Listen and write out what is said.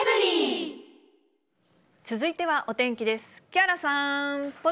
続いてはお天気です。